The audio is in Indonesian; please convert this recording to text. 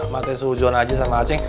mata yang sujuwan aja sama acing